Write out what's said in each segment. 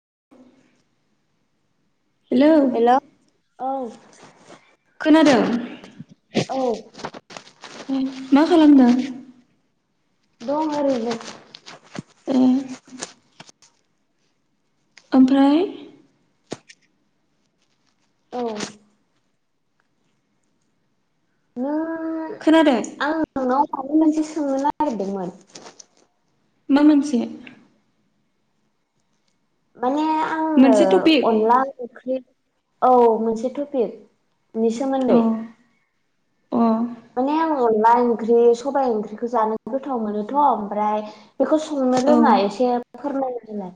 [unintelligible] हेल' औ खोनादों? औ उम मा खालामदों? दं ओरैनो ए ओमफ्राय औ नों खोनादों? [unintelligible] माबा मोनसे सोंनो नागिरदोंमोन मा मोनसे? माने आंङो मोनसे टपिक अनला ओंख्रि औ मोनसे टपिकनि अ सोमोन्दै माने आं अनला ओंख्रि सबाय ओंख्रिखौ जानो गोथाव मोनोथ' ओमफ्राय बेखौ सं नो औ रोङा एसे फोरमायग्रोनाय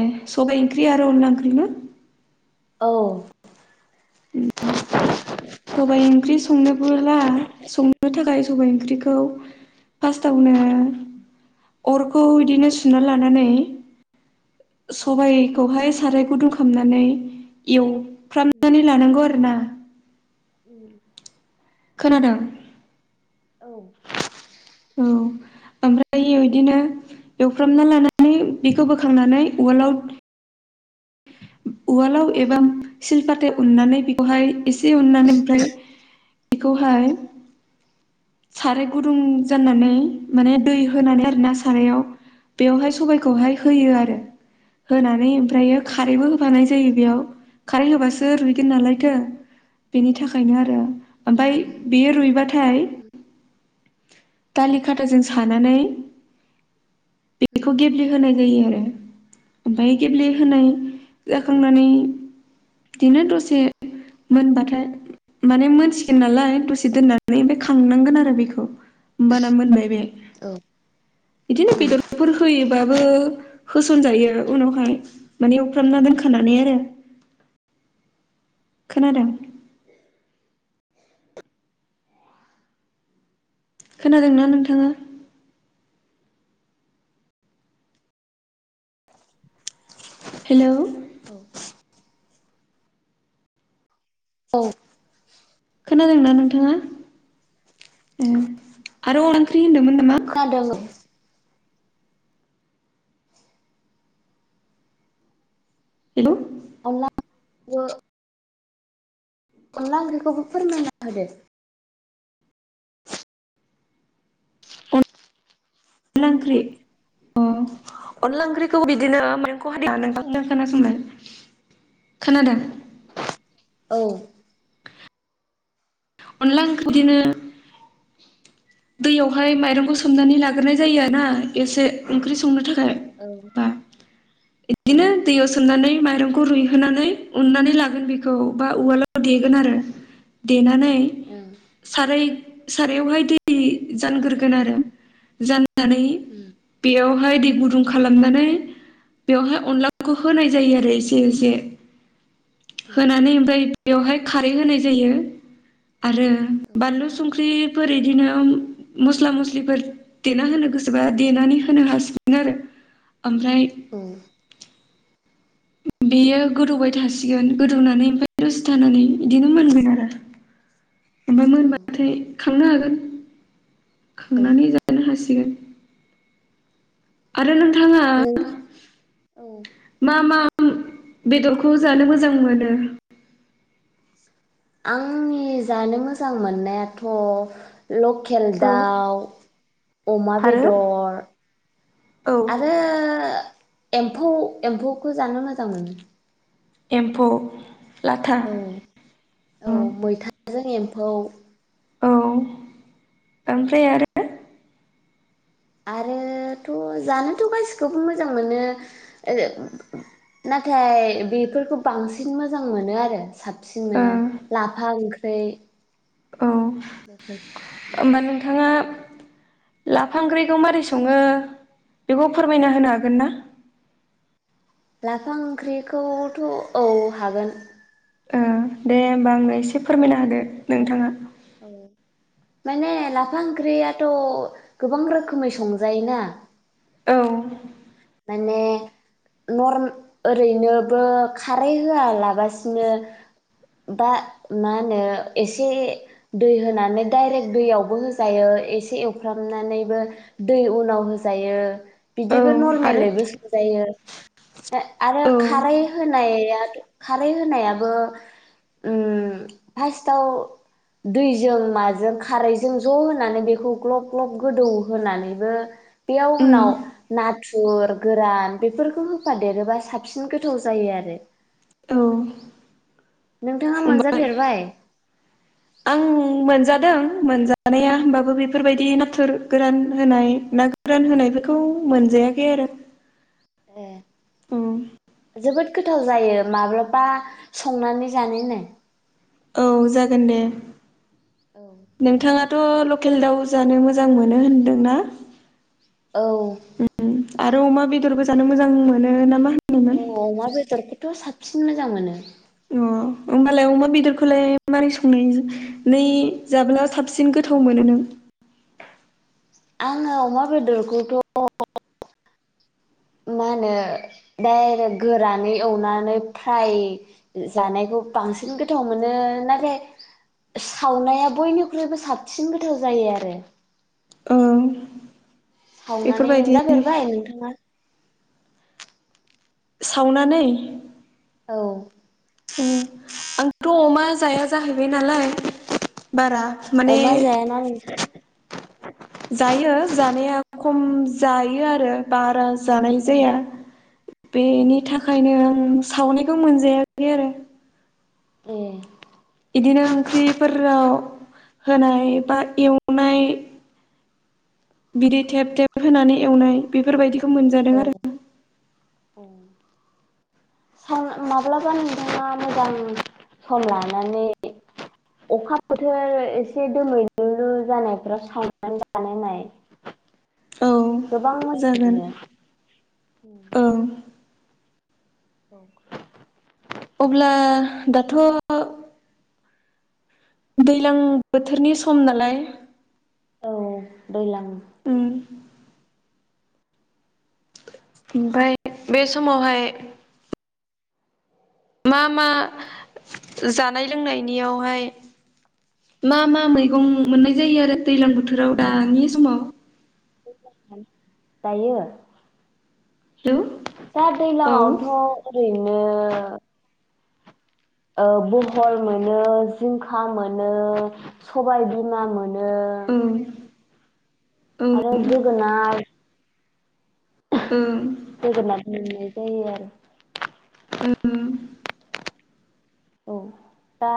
ए सबाय ओंख्रि आरो अनला ओंख्रि ना? औ [unintelligible] सबाइ ओंख्रि संनोबोला संनो थाखाय सबाइ ओंख्रिखौ फास्टावनो अरखौ इदिनो सुना लानानै सबाइखौहाय साराय गुदुं खामनानै एव फ्रामनानै लानांगौ आरो ना उम खोनादों औ उम ओमफ्रायो इदिनो एवफ्रामना लानानै बेखौ बोखांनानै उवालाव उवालाव एबा सिलफाथायाव उननानै बेखौहाय एसे उननानै ओमफ्राय बेखौहाय साराय गुदुं जाननानै माने दै होनानै आरोना सारायाव बेवहाय सबायखौहाय होयो आरो होनानै ओमफ्रायो खारैबो होफानाय जायो बेयाव खारै होबासो रुइगोन नालाय थों बेनि थाखायनो आरो ओमफाय बेयो रुइबा थाय दालि खाथाजों सानानै बेखौ गेब्लेहोनाय जायो आरो ओमफाय गेब्लेहोनाय जाखांनानै बिदिनो दसे मोनबाथाय माने मोनसिगोन नालाय दसे दोननानै ओमफ्राय खांनांगोन आरो बेखौ होमबाना मोनबाय बे औ बिदिनो बेदरफोर होयोबा बो होसनजायो उनावहाय‌ माने एवफ्रामना दोनखानानै आरो खोनादों? खोनादोंना नोंथाङा? हेलौ। औ। औ। खोनादोंना नोंथाङा ए आरो अनला ओंख्रि होन्दोंमोन खोनादों ओ हेल'। ओ। अनला ओंख्रिखौबो फोरमायना होदो। अनला ओंख्रि अ अनला ओंख्रिखौ बिदिनो माइंखौ हादा नोंथांनो खोनासंलाय। खोनादों? औ। अनला ओंख्रि बिदिनो दैयावहाय माइरंखौ सोमनानै लाग्रोनाय जायो ना एसे ओंख्रि संनो थाखाय औ‌। बा बिदिनो दैयाव सोमनानै माइरंखौ रुयहोनानै उननानै लागोन बेखौ बा उवालाव देगोन आरो देनानै नानै साराय सारायावहाय दै जानग्रोगोन आरो जान नानै उम बेयावहाय दै गुदुं खालामनानै बेवहाय अनलाफोरखौ होनाय जायो आरो एसे एसे उम होनानै ओमफ्राय बेवहाय खारै होनाय जायो आरो औ बानलु संख्रि फोर बिदिनो मस्ला मस्लिफोर देना होनो गोसोबा देनानै होनो हासिगोन आरो। ओमफ्राय औ बेयो गोदौबाय थासिगोन गोदौनानै ओमफ्राय दसे थानानै बिदिनो मोनगोन आरो। [inaudible] ओमफ्राय औ मोनबाथाय खांनो हागोन। औ खांनानै जानो हासिगोन आरो नों औ नोंथां औ। मा मा बेदरखौ जानो मोजां मोनो? आंनि जानो मोजां मोननायाथ' लकेल औ दाउ अमा आरो बेदर औ आरो एम्फौ एम्फौखो जानो मोजां मोनो। एम्फौ लाथा औ उम मैथाजों औ। औ ओमफ्राय आरो आरोथ' जानोथ' गासिखौबो मोजां मोनो ओ नाथाय बेफोरखौ बांसिन मोजां मोनो आरो साबसिन मोनो ओ लाफा ओंख्रै ख्रै औ ओमबा नोंथाङा लाफा ओंख्रैखौ मारै सङो बेखौ फोरमायना होनो हागोन ना? लाफा ओंख्रिखौथ‌' औ हागोन। ओ दे होमबा आंनो एसे फोरमायना होदो नोंथाङा। औ। माने लाफा ओंख्रियाथ गोबां रोखोमै संजायोना। औ माने नरम ओरैनोबो खारै होआलाबासिनो बा मा होनो एसे दै होनानै डायरेक्ट दैयावबो होजायो एसे एवफ्रामनानै दै उनाव होजायो औ बिदिबो नर [unintelligible] आरो मेलेबो सुजायो ओ‌ आरो औ खारै होनायाथ खारै होनायाबो उम फारस्टआव दैजों माजों खारैजों ज होनानै बेखौ ग्लब ग्लब गोदौ होनानैबो बेयाव उम उनाव ना थुर गोरान बेफोरखौ होफादेरोबा साबसिन गोथाव जायो आरो औ नोंथाङा होमबा मोनजाफेरबाय मोनादों मोनजानाया होमबाबो बेफोरबायदि नाथुर गोरान होनाय ना गोरान होनायखौ बेफोरखौ मोनजायाखै आरो ए उम जोबोद गोथाव जायो माब्लाबा संनानै जानाय नाय औ जागोन दे नोंथाङा थ लकेल दाउ जानो मोजां मोनो होनदोंना औ उम आरो अमा बेदरबो जानो मोजां मोनो नामा औ अमा बेदरखौथ साबसिन मोजां मोनो अ होमबालाय अमा बेदरखौलाय मारै सं [unintelligible] नै जाब्ला साबसिन गोथाव मोनो नों आङो अमा बेदरखौथ मा होनो डायरेग गोरानै एवनानै फ्राय जानायखौ बांसिन गोथाव मोनो नाथाय सावनाया बयनिख्रुइबो साबसिन गोथाव जायो आरो ओं सावनानै मोनजाफेरबाय नोंथाङा सावनानै औ ओ आंथ अमा जाया जाहैबाय नालाय बारा माने अमा जायाना नोंथ जायो जानाया खम जायो आरो बारा जाय जानाय औ जाया बेनि अ थाखायनो आं सावनायखौ मोनजायाखै आरो ए बिदिनो ओंख्रिफोराव होनाय बा एवनाय बिदि थेब थेब होनानै एवनाय बेफोरबायदिखौ मोनजादों औ आरो औ स माब्लाबा नुदों ना मोजां सम लानानै अखा बोथोर एसे दोमैलु जानायफ्राव सावनानै जानाय नाय औ गोबां मोजां जागोन मोनो ओं औ अब्ला दाथ दैज्लां बोथोरनि सम नालाय औ दैज्लां उम ओमफ्राय बे समावहाय मा मा जानाय लोंनायनियावहाय मा मा मैगं मोननाय जायो आरो दैलां बोथोराव दानि समाव दायो हेलौ दा दैज्लां औ आवथ' ओरैनो औ बहल मोनो जिंखा मोनो सबायबिमा मोनो मोनो औ आरो जोगोनाथ उम जोगोनार मोननाय जायो आरो ओ औ दा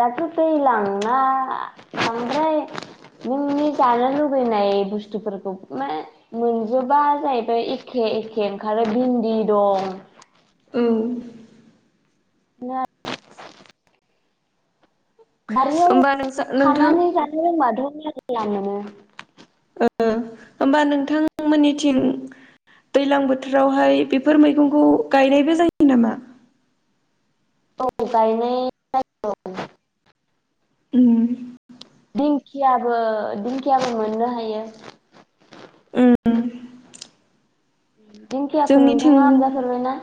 दाथ' दैलांना ओमफ्राय नोंनि जानो लुबैनाय बुस्थुफोरखौ मा मोनजोबा जाहैबाय एखे एखे एखे ओंखारो भिन्दि दं औ [unintelligible] बारियाव होमबा नोंसा नोंथां खानानै जानो रोंबाथ' मेरला मोनो ओ होमबा नोंथांमोननिथिं औ दैलां बोथोरावहाय बेफोर मैगंखौ गायनायबो जायो नामा औ गायनाय जायो औ दिं उम दिंखियाबो दिंखियाबो मोननो हायो उम दिंखियाखौ जोंनिथिं नोंथाङा मोनजाफेरबायना?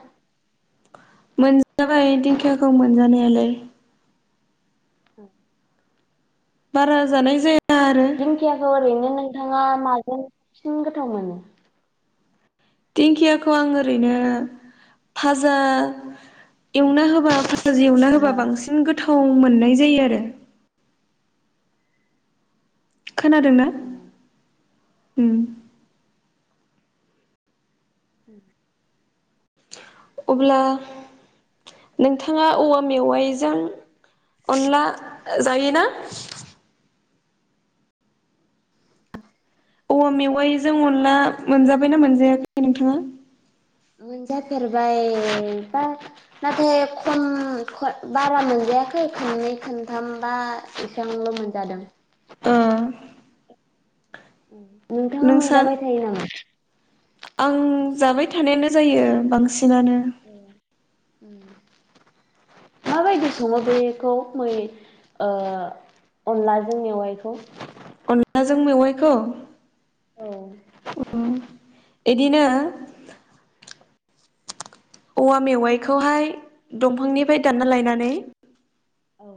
मोनजाबाय दिंखियाखौ मोनजानायालाय औ बारा जानाय जाया आरो दिंखियाखौ ओरैनो नोंथाङा माजों बांसिन गोथाव मोनो दिंखियाखौ आं ओरैनो फाजा एवना होबा फाइनल एवना होबा हा बांसिन गोथाव मोननाय जायो आरो खोनादों ना उम उम अब्ला नोंथाङा औवा मेवाइजों अनला जायोना [unintelligible] [unintelligible] औ मेवाइजों अनला मोनजाबायना मोनजायाखै नोंथाङा मोनजा फेरबाय बा नाथाय खम बारा मोनज गायाखै खननै खनथामबा एसेबांल' मोनजादों। उम नोंथाङा नोंसा मोनजाबाय थायो नामा? आं जाबाय थानायानो जायो बांसिन। ओम ओम। माबायदि सङो बेखौ मै ओ अनलाजों मेवाइखौ? अनलाजों मेवाइखौ? औ। एदिनो औवा मेवाइखौहाय दंफांनिफ्राय दानना लायनानै औ।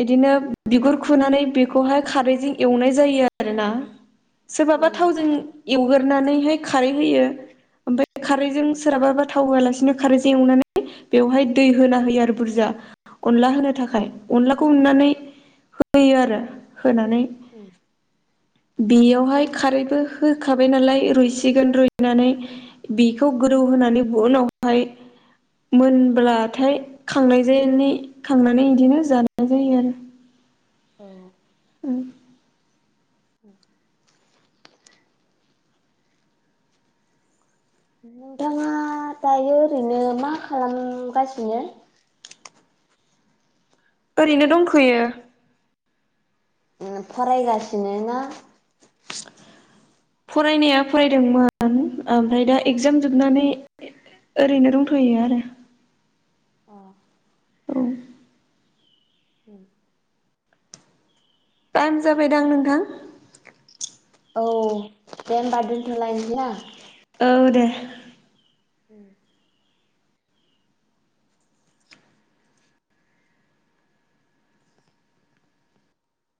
बिदिनो बिगुर खुनानै बेखौहाय खारैजों एवनाय जायो आरोना। सोरबाबा उम थावजों एवगोरनानैहाय खारै होयो ओमफ्राय बे खारैजों उम सोरहाबााबा थाव होआलासिनो खारैजों एवनानै बेवहाय दै होना होयो आरो बुरजा अनला होनो औ थाखाय। अनलाखौ उनानै होयो आरो होनानै उम। बेयावहाय खारैबो होखाबाय नालाय रुइसिगोन रुइनानै बेखौ गोदौ होनानै उनावहाय मोनब्लाथाय खांनाय जाय खांनानै बिदिनो जानाय जायो आरो। औ। उम, [inaudible] नोंथाङा दायो ओरैनो मा खालामगासिनो? ओरैनो दंथ'यो। फरायगासिनो ना? फरायनाया फरायदोंमोन ओमफ्राय दा एगजाम जोबनानै ओरैनो दंथ'यो आरो। अ। औ, उम। टाइम जाबायदां नोंथां? औ दे होनोमबा दोनथ'लायसै ना। औ दे। उम।